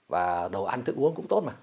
và đầu ăn thức uống cũng tốt mà